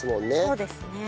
そうですね。